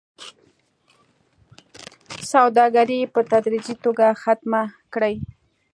سوداګري په تدريجي توګه ختمه کړي